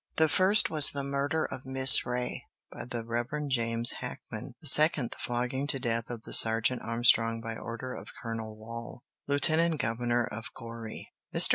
The first was the murder of Miss Reay by the Rev. James Hackman, the second the flogging to death of the Sergeant Armstrong by order of Colonel Wall, Lieutenant Governor of Goree. Mr.